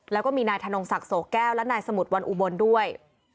แล้วก็มีนายธนงศักดิ์โสแก้วและนายสมุทรวันอุบลด้วย